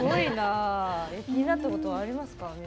気になったことありますか？